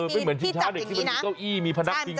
เป็นเหมือนชิงช้าเด็กที่มีเก้าอี้มีพระนักฟิงนะ